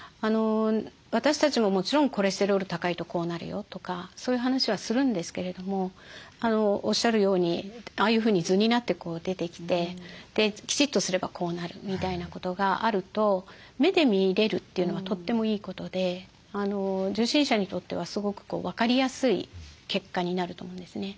私たちももちろんコレステロール高いとこうなるよとかそういう話はするんですけれどもおっしゃるようにああいうふうに図になって出てきてきちっとすればこうなるみたいなことがあると目で見れるというのはとってもいいことで受診者にとってはすごく分かりやすい結果になると思うんですね。